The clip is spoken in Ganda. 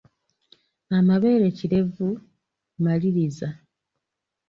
Amabeere kirevu, maliriza.